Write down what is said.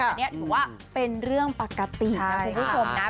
อันนี้ถือว่าเป็นเรื่องปกตินะคุณผู้ชมนะ